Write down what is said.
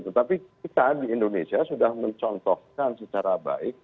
tetapi kita di indonesia sudah mencontohkan secara baik